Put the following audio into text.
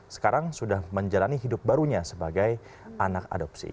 sekarang sudah menjalani hidup barunya sebagai anak adopsi